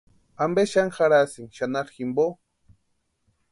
¿Ampe xani jarhasïni xanharu jimpo?